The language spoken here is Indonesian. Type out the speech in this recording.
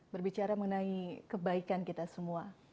berbicara mengenai kebaikan kita semua